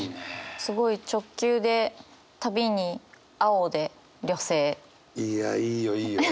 すごい直球で「旅」に「青」で「旅青」。いやいいよいいよ。